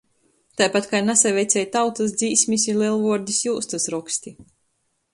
Taipat kai nasavecej tautys dzīsmis i Lelvuordis jūstys roksti,